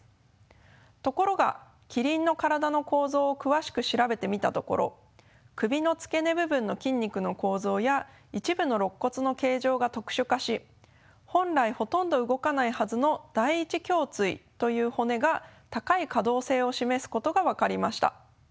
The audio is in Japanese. ところがキリンの体の構造を詳しく調べてみたところ首の付け根部分の筋肉の構造や一部のろっ骨の形状が特殊化し本来ほとんど動かないはずの第１胸椎という骨が高い可動性を示すことが分かりました。